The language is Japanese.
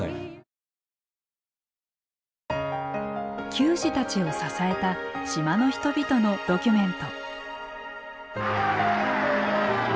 球児たちを支えた島の人々のドキュメント。